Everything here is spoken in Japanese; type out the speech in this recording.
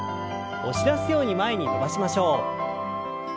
押し出すように前に伸ばしましょう。